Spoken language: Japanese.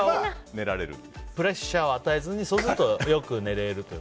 プレッシャーを与えずにそれだとよく眠れると。